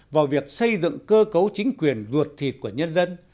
vào việc xây dựng cơ cấu chính quyền ruột thịt của nhân dân